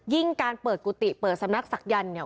การเปิดกุฏิเปิดสำนักศักยันต์เนี่ย